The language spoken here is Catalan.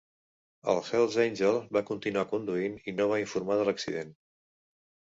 El Hell's Angel va continuar conduint i no va informar de l'accident.